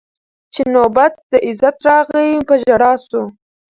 چي نوبت د عزت راغی په ژړا سو